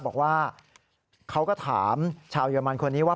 บอกว่าเขาก็ถามชาวเยอรมันคนนี้ว่า